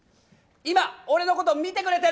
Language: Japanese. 今、俺のこと見てくれてる？